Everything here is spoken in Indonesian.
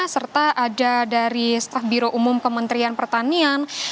serta ada dari staf biro umum kementerian pertanian